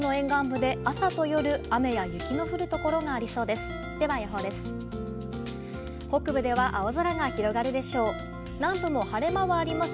では、予報です。